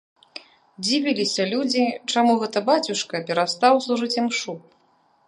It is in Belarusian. Дзівіліся людзі, чаму гэта бацюшка перастаў служыць імшу?